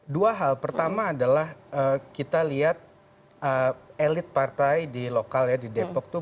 dua hal pertama adalah kita lihat elit partai di lokal ya di depok itu